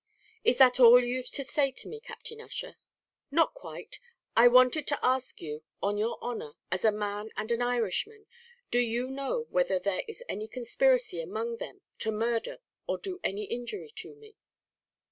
"Is that all you've to say to me, Captain Ussher?" "Not quite; I wanted to ask you, on your honour, as a man and an Irishman, do you know whether there is any conspiracy among them to murder or do any injury to me?"